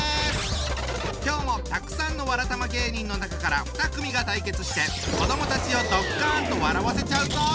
今日もたくさんのわらたま芸人の中から２組が対決して子どもたちをドッカンと笑わせちゃうぞ！